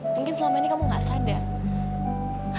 mungkin selama ini kamu gak sadar